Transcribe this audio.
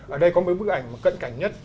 ở đây có một bức ảnh cận cảnh nhất